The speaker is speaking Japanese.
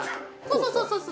そうそうそうそう！